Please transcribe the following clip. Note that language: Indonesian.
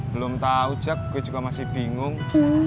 belum tau jak gue juga masih bingung